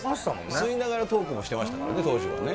吸いながらトークもしてましたからね、当時はね。